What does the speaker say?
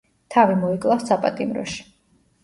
თავი მოიკლა საპატიმროში.